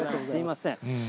すみません。